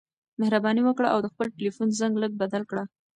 مهرباني وکړه او د خپل ټیلیفون زنګ لږ بدل کړه.